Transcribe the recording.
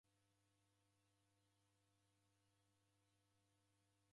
W'amanyikie kifumbu chose.